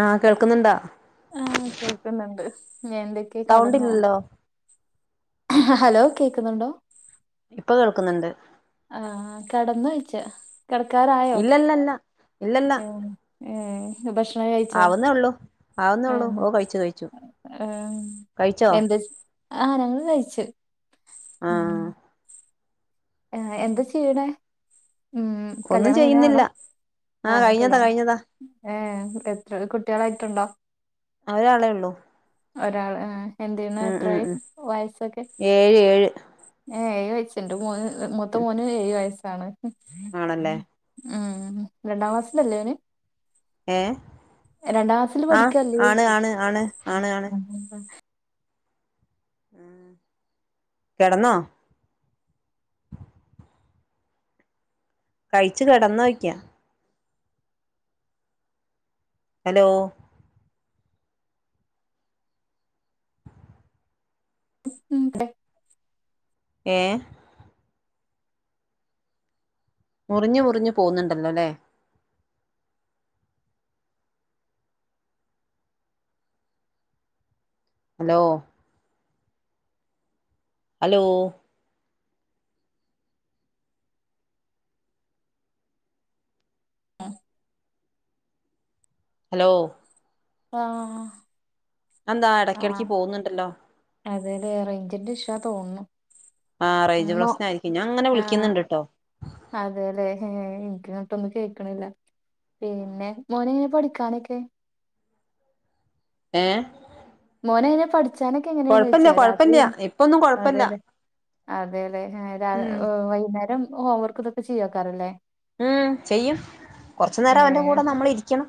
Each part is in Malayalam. ആഹ് കേൾക്കുന്നുണ്ടോ ആ കേൾക്കുന്നുണ്ട് ഞാ എന്തൊക്കെയ സൗണ്ട് കടന്നോ ഇല്ലല്ലോ ഹലോ കേക്കുന്നുണ്ടോ ഇപ്പ കേൾക്കുന്നുണ്ട് ആ കിടന്നു വച്ച കിടക്കാരായോ ഇല്ലല്ലല്ല ഇല്ലല്ല ആ ഭക്ഷണം കഴിച്ചോ ആവുന്നേ ഉള്ളൂ ആവുന്നേ ആ ഉള്ളൂ ഓ കഴിച്ചു കഴിച്ചു ആ കഴിച്ചോ എന്ത് ആ ഞങ്ങള് കഴിച്ചു ആ ആ എന്താ ചെയ്യണേ ഉം ഒന്നും കല്യാണം കഴിഞ്ഞാണോ ചെയ്യുന്നില്ല ആഹ് കഴിഞ്ഞതാ കല്യാണം കഴിഞ്ഞതാ ഏ എത്ര കുട്ടികളായിട്ടുണ്ടോ ഒരാളെ ഉള്ളൂ ഒരാൾ എന്ത് ചെയ്ണ് ഉം ഉം എത്രായി ഉം വയസ്സൊക്കെ ഏഴ് ഏഴ് ഏ ഏഴ് വയസ്സുണ്ട് മൂ മൊത്തം മോന് ഏഴ് വയസ്സാണ് ആണല്ലേ ഉം രണ്ടാം ക്ലാസിലല്ലേ അവന് ഏഹ് രണ്ടാം ക്ലാസിൽ ആഹ് പഠിക്കല്ലേ ആണ് ആണ് ആണ് ആണ് കടന്നോ കഴിച്ചു കിടന്നോക്കാ ഹലോ [unintelligible] ഏ മുറിഞ്ഞു മുറിഞ്ഞു പോുന്നുണ്ടല്ലോല്ലേ ഹലോ ഹലോ ആ ഹലോ ആ അതെന്താ ആ ഇടക്കിടക്ക് പോകുന്നുണ്ടല്ലോ അതല്ലേ റെഞ്ചിന്റെ ഇഷ്യൂ ആഹ് റേഞ്ച് മ്മു പ്രശ്നായിരിക്കും ഞാൻ അങ്ങനെ ആ വിളിക്കുന്നുണ്ട് ട്ടോ അതെ ല്ലെ ക്ക്ങ്ങട്ടൊന്നും കേക്ക്ണില്ല പിന്നെ മോനെങ്ങനെ പഠിക്കാനൊക്കെ ഏ മോനെങ്ങനെ പഠിച്ചാനൊക്കെ എങ്ങനെയാണ് ചോദിച്ചാ രാത്രി കൊഴപ്പല്ല ഇപ്പൊന്നും കൊഴപ്പല്ല അതല്ലെ അതെല്ലേ ഉം വൈകുന്നേരം ഹോം വർക്ക് ഇതൊക്കെ ചെയ്യേക്കാരം ല്ലേ ഉം ചെയ്യും കൊറച്ചുനരം അവന്റെ കൂടെ നമ്മൾ ഇരിക്കണം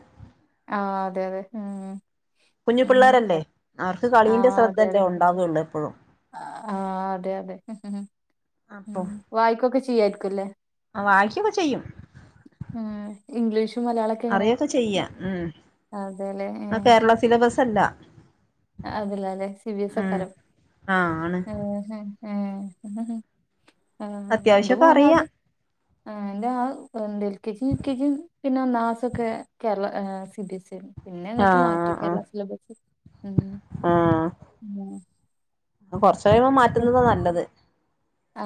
ആ അതെ അതെ ഉം കുഞ്ഞു പിള്ളേരല്ലേ ഉം അവർക്ക് ആഹ് കളീന്റെ ശ്രദ്ധല്ലേ ഒണ്ടാവുള്ളൂ എപ്പഴും ആ അതെ അതെ വായിക്കൊക്കെ ചെയ്യായിരിക്കുംല്ലേ ആ വായ്ക്കൊക്കെ ചെയ്യും ഉം ഇംഗ്ലീഷും മലയാളൊക്കെങ്ങനെ അറിയൊക്കെ ചെയ്യാ ഉം അതെല്ലേ ഏ തല്ല അതല്ല അല്ലെ സി ബി എസ് ഒക്കാരം ആഹ് ആണ് ആ ആ ൻ്റെ അത്യാവശ്യൊക്കെ മോന അറിയാം ത് ആ ന്റെ മോൻ ആ എ എൽ കെ ജിയും യു കെ ജിയും പിന്നെ ഒന്നാക്ലാസോക്കെ ഒക്കെ കേരള സി ബിഎസ്ഇ ആണ് പിന്നെ ങ്ങട്ട് മാറ്റി ആഹ് ആഹ് കേരള സിലബസ് ഉം കൊറച്ചു കഴിയുമ്പോ മാറ്റുന്നതാ നല്ലത്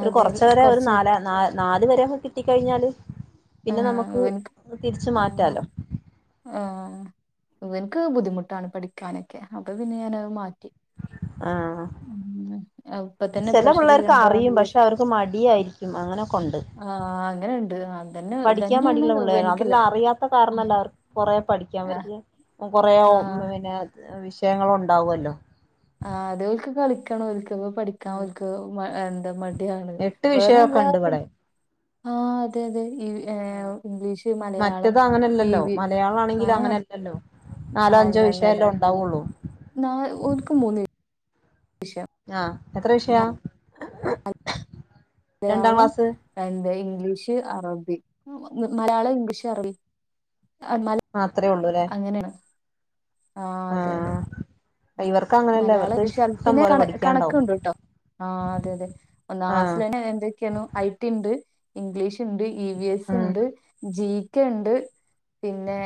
ഒരു കൊറച്ച് വെരെ ഒരു നാല് വെരെ കിട്ടി കഴിഞ്ഞാല് ആ ഇവനിക്ക് ആ മാറ്റാലോ ആ ഇവൻക്ക് ബുദ്ധിമുട്ടാണ് പഠിക്കാനൊക്കെ അപ്പൊ പിന്നെ ഞാനത് മാറ്റി ആഹ് ഉം ഇപ്പൊ തന്നെ ചില പ്രഷർ പിള്ളേർക്ക് ചെയ്യണ്ടാന്ന് അറിയും ലെ പക്ഷെ അവർക്ക് മടിയായിരിക്കും അങ്ങനൊക്കെ ഉണ്ട് ആ അങ്ങനെുണ്ട് ആ പഠിക്കാൻ മടിയുള്ള പിള്ളോരാ അതെല്ലാം അറിയാത്ത കാരണല്ല അവർക്ക് കൊറെ ആഹ് പഠിക്കാൻവർക്ക് കൊറെേ ആഹ് പിന്നെ വിഷയങ്ങള് ഉണ്ടാവല്ലോ ആ അതവർക്ക് കളിക്കണം ഒർക്കപ്പോ പഠിക്കാ ഉം വർക്ക് ഓ എന്താ മ- മടിയാണ് എട്ട് വിഷയൊക്കെ ഉണ്ട് വേറെല്ലാർ- ഇവിടെ ആ അതെ അതെ ഈ ഏ ഇംഗ്ലീഷ് മലയാളം ഈ വി ആ ല്ലോ നാലോ അഞ്ചോ വിഷയല്ലോ ണ്ടാവുള്ളൂ [unintelligible] ആ എത്ര വിഷയ എയാളും ക്ലാസ് എന്തയി ഇംഗ്ലീഷ്, അറബി, മലയാളം, ഇംഗ്ലീഷ്, അറബി, മല അത്രേ ഉള്ളൂ ല്ലേ ആ അതെ അതെ ഇവർക്ക് അങ്ങനെയല്ല മലയാളം ഇവർക്ക് ഇഷ്ടം പോലെ പഠിക്കാണ്ടാവും ആ അതെ അതെ ഒന്നാ ആഹ് ക്ലാസില് എന്തൊക്കെയാണ് ഐടിണ്ട് ഇംഗ്ലീഷ് ഉണ്ട് ഇ വി എസ് ഉം ഉണ്ട് ജി കെ ഉണ്ട് പിന്നെ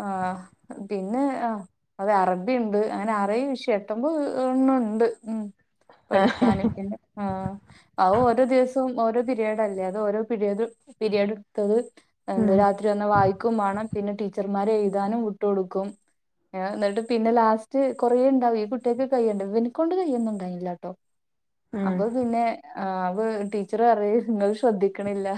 ആ പിന്നെ ആ അത് അറബി ഉണ്ട് അങ്ങനെ അറെഴ് വിഷ എട്ട് ഒമ്പത് ഒണ്ണ ഉണ്ട് പഠിക്കാനും പിന്നെ ആ അ ഓരോ ദിവസവും ഓരോ പിരീഡ് അല്ലേ അത് ഓരോ പിരീഡ് പിരീഡ്ട്ത്തത് എന്ത ഉം രാത്രി വന്ന് വായിക്കും വാണം ച്ചർമാര് എയ്താനും വിട്ട് കൊടുക്കും ന്നിട്ട് പിന്നെ ലാസ്റ്റ് കൊറെേ ഇണ്ടാവെ ഈ കുട്ട്യാക്ക് കയ്യണ്ടേ ഇവൻക്കൊണ്ട് കയ്യൊന്നുംണ്ടല്ലായിട്ടോ ഉം അപ്പൊ പിന്നെ ആ വ് വ ടീച്ചർ നിങ്ങൾ ശ്രദ്ധിക്കണില്ല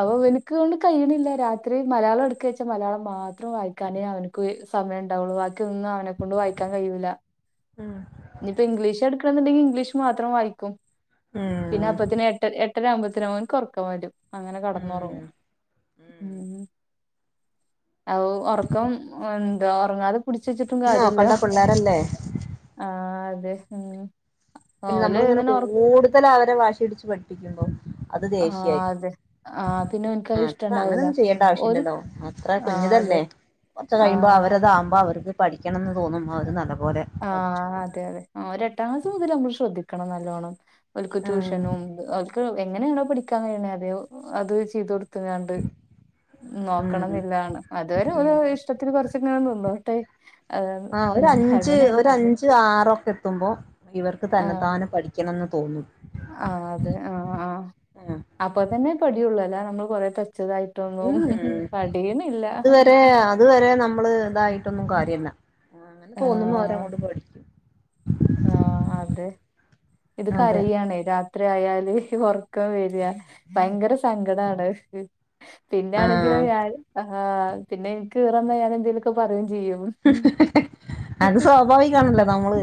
അവ എനക്ക്ണ്ട് കൈ [unintelligible] രാത്രി മലയാളം ഇട് ച്ച മലയാളം മാത്രം വായിക്കാനേ അവനക്ക് സമയമ ഉണ്ടാവുള്ളു ബാക്കി ഒന്നും അവനെ കൊണ്ട് വായിക്കാൻ കഴിയൂല്ല ഉം ഇനിയിപ്പ ഇംഗ്ലീഷ് എടുക്കണം എന്നുണ്ടെങ്കി ഇംഗ്ലീഷ് മാത്രം വായിക്കും പിന്നെ ഉം അപ്പത്തി എട്ട എട്ടരമ്പത്തിന ഒന്ക് കുറക്കാൻ പറ്റും അങ്ങനെ ഉം കടന്നൊർങ്ങും ഉം ഉം ആവു ഒർക്കം എന്ത ഒർങ്ങാതെ പിടിച്ചച്ചിട്ടും കാര്യല്ല നോക്കണ്ട പിള്ളേരല്ലേ ആ അതെ പിന്നെ ഓല് നമ്മളിങ്ങനെ ഇങ്ങനെ കൂടുതലവരെ വാശിടിച്ച് പഠിപ്പിക്കുമ്പം അത് ആഹ് ദേഷ്യയ്ര്ക്കും അതെ ആഹ് പിന്നെ ഓൻക്കത് അത്ര ഇഷ്ടണ്ടാവൂല അങ്ങനൊന്നും ഓല് ചെയ്യേണ്ടവശ്യല്ലല്ലോ അത്ര കു ആഹ് അതെ ഞ്ഞതല്ലേ കൊറ്ച്ച് കയുമ്പോ ആഹ് അവരതാവുമ്പോ അവര്ക്ക് പഠിക്കണന്ന് തോന്നും ഓര് നല്ലപോലെ പഠിച്ചോളും ട്ടാസ് മുതലമ്മള് ശ്രദ്ധിക്കണം നല്ലോണം ഓല്ക്ക് ഉം ട്യൂഷനും ഓല്ക്ക് എങ്ങനെണോ പഠിക്കാൻ കയ്യിണേ അതെ അത് ചെയ്തൊട്ത്ങ്ങാണ്ട് ഉം നോക്കണന്നില്ലാണ് അത് വരെ ഓല് ഉം ഓലഷ്ടത്തില് കൊർച്ചക്കങ്ങനെ നിന്നോട്ടെ അതാണ് ഒരഞ്ച് ഒരഞ്ച് ആറൊക്കെത്തുമ്പോ ഇവർക്ക് തന്നെത്താനെപഠിക്കണന്ന് തോന്നും. ആ അതെ ആ ആ ഉം അപ്പൊതന്നെ പഠ്യൊള്ളൂ അല്ലമ്മള് കൊറേ ത ഉം അത് വരെ അത് വരെ നമ്മള് തായിട്ടൊന്നും കാര്യല്ല അങ്ങനെ തോന്നുമ്പോ അവരങ്ങട്ട് പഠിക്കും. ആ അതെ ഇത് അതെ കരയാണെ രാ ത്രിയാല് ഒർക്കം വെരാ ഭയങ്കര സങ്കടാണ്. പിന്നൊണെങ്കിലോ ആഹ് ഞാന് ആ പിന്നെൻക്ക് ഈറന്ന ഞാനെന്തേലൊക്കെ പറിം അത് സ്വാഭാവികണല്ലോ നമ്മള്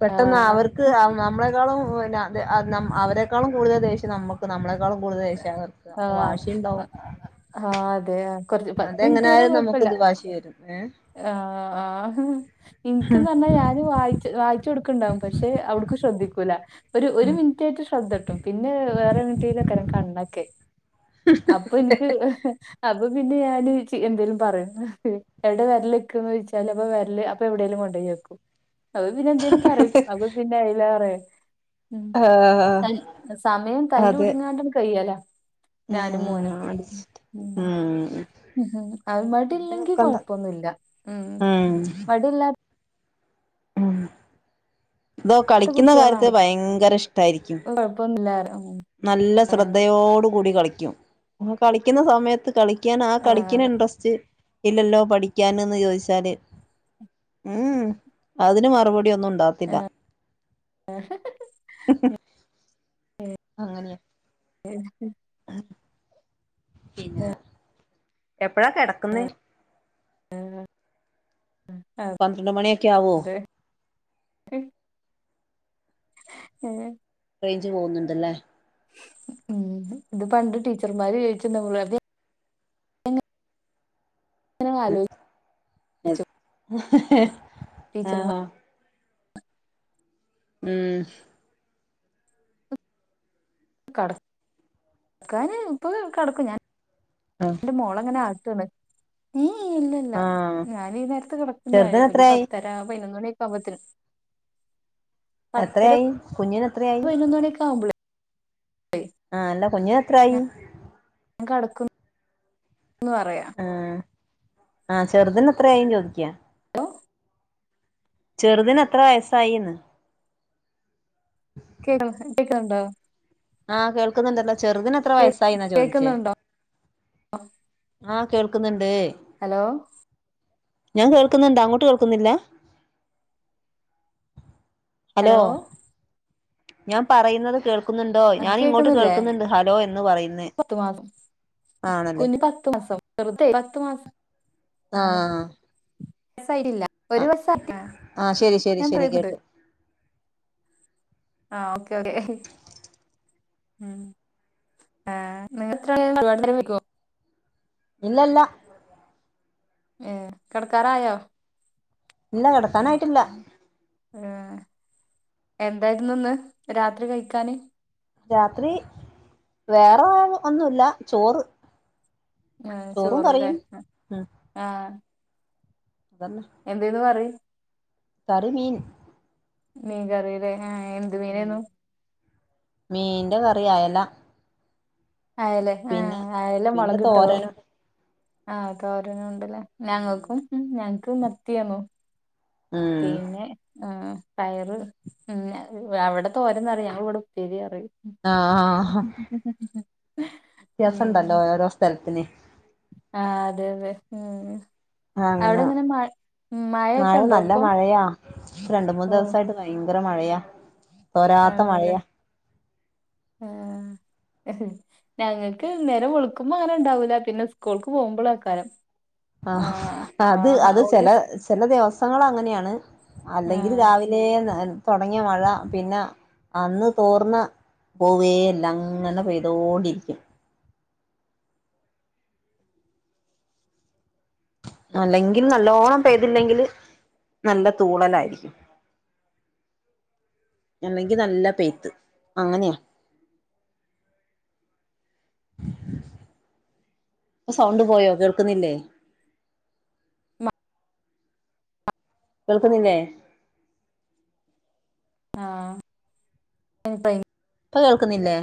പെട്ടെന്ന് ആഹ് അവർക്ക് അവ നമ്മളെക്കാളും ന ത് അ നമ് അവരെേക്കാളും കൂടുതൽ ദേഷ്യം നമക്ക് നമ്മളെ കാളും കൂടുതല്ദേഷ്യാവർക്കാ ആഹ് വാശിണ്ടാവും. ആഹ് അതെ കൊറച്ച് അതെങ്ങനായാലും നമക്കത് വാശി വെരും ഏ ആ ആ ഇൻക്ക്ന്നർഞ്ഞാ ഞാന് വായിച്ച വായി ച്ചോട്ക്ക്ണ്ടാവും പക്ഷെ അവട്ക്ക് ശ്രദ്ധിക്കൂല. ഒരു ഒരു മിൻറ്റായിട്ട് ശ്രദ്ധട്ടും പിന്നെ വേറെങ്ങെട്ടേലെക്കാരം കണ്ണൊക്കെ അപ്പ ഇൻക്ക് അപ്പൊ പിന്നെ ഞാന് ചെ എന്തേലും പറിം എവടെ വെര്ലെക്ക് ന്നോയ്ച്ചാല് അപ്പ വെര്ല് അപ്പ വെടെലും കൊണ്ടെ യെക്കും അത് പിന്നെ ന്തേലും പറിം അപ്പ പിന്നെ അയ്ലേറേ ഉം ആഹ് [unintelligible] സമയം അതെ തല്ലുടിങ്ങാണ്ടണ്ട് കയ്യല ഞാനും മോനും ഉം ഉം നോക്കണ്ട ഉം ഹും അഅ് വടില്ലെങ്കി കൊഴപ്പൊന്നുല്ല ഉം വടിയില്ലാ ഉം തോ കളിക്കുന്ന കാര്യത്തി കുട്ടികളാണ് ഭയങ്കര ഇഷ്ടായിരിക്കും. കൊഴപ്പൊന്നുല്ല പറയും നല്ല ശ്രദ്ധയോട് കൂടി കളിക്കും ആകളിക്കുന്ന സമയത്ത് കളി ക്ക്യാനാ കളിക്ക്യണ ആഹ് ഇൻട്രസ്റ്റ് ഇല്ലല്ലോ പഠിക്ക്യാന് ന്ന് ചോയ്ച്ചാല് ഉം ഉം അതിന് മറുപടിയൊന്നുണ്ടാവത്തില്ല. ആ [unintelligible] അങ്ങനെയാ. ഉം ഹ് പിന്നെ. എപ്പഴാ കെടക്കുന്നേ പന്ത്രണ്ട് മണിയൊക്കവോ അതെ ഉം റെയ്ഞ്ച് പോവുന്നുണ്ട്ല്ലേ ഉം ഇത് പണ്ട് ടീച്ചർമാര് ചോയ്ച്ച് ണ്ടാവു അതെ ഞാൻ ഇങ്ങനെ ആലോചി [unintelligible] ടീച്ചർമാർ ആ. ഉം കടക്കാന് ഇപ്പൊ കടക്കും ഞാൻന്റെ മോളങ്ങനെ അ ട്ടാണ് ഏ ഇല്ലല്ല ആഹ് ഞാനീ ഈ നേരത്ത് കെടക്കും ഞാന് ചെറുതിന് ഒരു എത്രയായി പത്തര പതിനൊന്നണി മ്പോത്തിന് എത്രയായി കുഞ്ഞിനെത്രയായി? പതിനൊന്ന് മണിയൊക്കെ ആവുമ്പളേ ആ അല്ല കുഞ്ഞിനെത്രായി? കടക്കും [unintelligible] ന്ന് പറയാ ആ ആ ചെറുതിന് എത്രയായി ചോദിക്കാ ഓ ചെറുതിന് എത്ര വയസായിന്ന് [unintelligible] കേക്കുന്നുണ്ടോ? ആഹ് കേൾക്കുന്നുണ്ടല്ലോ ചെറുതിന് എത്ര കേ വയസായിന്നാ ചോദിച്ചേ കേക്കുന്നുണ്ടോ [unintelligible] ആ കേൾക്കുന്ന്ണ്ട്. ഹലോ ഞാൻ കേൾക്കുന്നുണ്ട്, അങ്ങോട്ട് കേൾക്കുന്നില്ല? ഹലോ ഞാൻ പറയുന്നത് കേൾ ക്കുന്നുണ്ടോ? ആ ഞാൻ ഇങ്ങോട്ട് കേക്കുന്നില്ലേ കേൾക്കുന്നുണ്ട് ഹലോ എന്ന് പറയുന്ന്. കുഞ്ഞു പത്ത് മാസം പത്ത് മാസം ആഹ് ആ ശരി ശരി ശരി കേട്ടു [unintelligible] ആ ഓക്കെ ഓക്കെ ഉം ആ [unintelligible] ഇല്ലല്ല ഏ കെടക്കറായോ? ഇല്ല കെടക്കാനായിട്ടില്ല. ഏ എന്തായിരുന്നു ഇന്ന് രാത്രി കഴിക്കാന്? രാത്രി വേറെ ഒന്നുല്ല, ചോറ്. ഉം ചോറും ചോറ്ലേ കറിയും ഉം ആ. അതന്നെ എന്തെന്ന് കറി? കറി മീൻ. മീൻ കറി ലേ, ആ എന്ത് ഉം മീനേന്നു? മീന്റെ കറി അയല അയലെ ആ പിന്നെ അയല പിന്നെ മുളകിട്ടതോ? തോരനും ആ [unintelligible] ഞങ്ങൾക്കും, ഞങ്ങക്ക് മത്തിയേന്നു. ഉം പിന്നെ ആ പയറ്, അവിടെ തോരൻന്ന് പറയും ഞങ്ങളിവിടെ ഉപ്പേരി പറയും. ആഹ ആഹ് ഹ വ്യത്യാസംണ്ടല്ലോ ഓരോ സ്ഥലത്തിന് ആ അതെ അതെ ഉം ആഹ് അവിടെ അങ്ങനെ ഇങ്ങനെ മ മഴയൊക്കെ മഴ ഉണ്ടോ നല്ല ഇപ്പൊ? മഴയാ രണ്ട് മൂന്ന് ദിവസായിട്ട് ഭയങ്കര മഴയാ. തോരാത്ത അതെല്ലേ മഴയാ. ആഹ് ഹും, ഞങ്ങക്ക് നേരം വെളുക്കുമ്പോ അങ്ങനെ ഉണ്ടാവൂല. പിന്നെ സ്കൂൾക്ക് പോകുമ്പളേക്കാരം. ആഹ ആഹ് അത് ആഹ് അത് ഓല് ചെല ചെല ദിവസങ്ങള് അങ്ങനെയാണ്. അല്ലെങ്കിൽ ആഹ് രാവിലേ തൊടങ്ങിയ മഴ പിന്നെ അന്ന് തോർന്ന് പോവേല്ല അങ്ങനെ പെയ്തോണ്ടിരിക്കും. അല്ലെങ്കിൽ നല്ലോണം പെയ്തില്ലെങ്കില് നല്ല തൂണലായിരിക്കും. [inaudible] അല്ലെങ്കി നല്ല പെയ്ത്ത്. അങ്ങനെയാ.. [inaudible] സൗണ്ട് പോയോ കേൾക്കുന്നില്ലേ? കേൾക്കുന്നില്ലേ ആഹ് [unintelligible] ഇപ്പൊ കേൾക്കുന്നില്ലേ